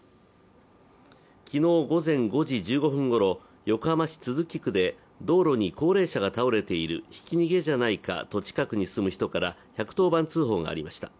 昨日午前５時１５分ごろ、横浜市都筑区で道路に高齢者が倒れているひき逃げじゃないかと近くに住む人から１１０番通報がありました。